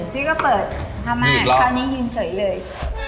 พี่ก็เปิดผ้าม่านคราวนี้ยืนเฉยเลย